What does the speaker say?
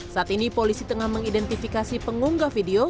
saat ini polisi tengah mengidentifikasi pengunggah video